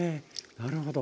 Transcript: なるほど。